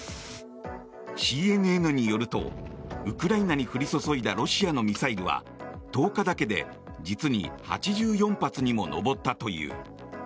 ＣＮＮによるとウクライナに降り注いだロシアのミサイルは１０日だけで実に８４発にも上ったという。